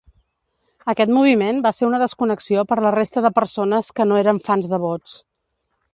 Aquest moviment va ser una desconnexió per la resta de persones que no eren fans devots.